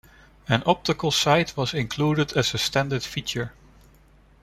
An optical sight was included as a standard feature.